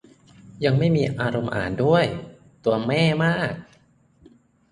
ยังไม่มีอารมณ์อ่านด้วย ตัวแม่มาก